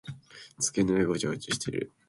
机の上がごちゃごちゃしている。